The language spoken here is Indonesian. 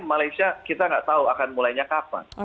malaysia kita nggak tahu akan mulainya kapan